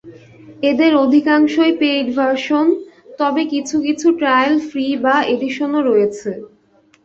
এদের অধিকাংশই paid version, তবে কিছু কিছু ট্রাইল বা ফ্রি এডিশনও রয়েছে।